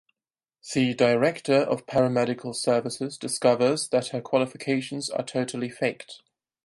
Thee director of paramedical services discovers that her qualifications are totally faked.